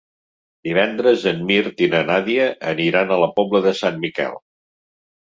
Divendres en Mirt i na Nàdia aniran a la Pobla de Sant Miquel.